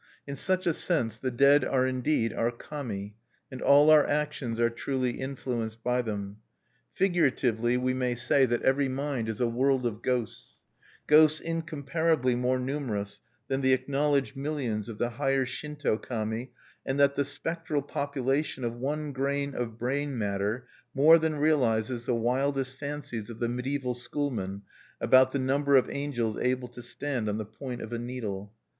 In such a sense the dead are indeed our Kami and all our actions are truly influenced by them. Figuratively we may say that every mind is a world of ghosts, ghosts incomparably more numerous than the acknowledged millions of the higher Shinto Kami and that the spectral population of one grain of brain matter more than realizes the wildest fancies of the medieval schoolmen about the number of angels able to stand on the point of a needle.